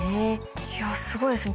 いやすごいですね。